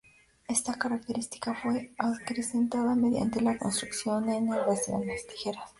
Esta característica fue acrecentada mediante la construcción en aleaciones ligeras.